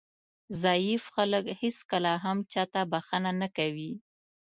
ضعیف خلک هېڅکله هم چاته بښنه نه کوي.